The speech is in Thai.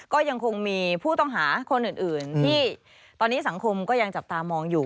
ก็ยังคงมีผู้ต้องหาคนอื่นที่ตอนนี้สังคมก็ยังจับตามองอยู่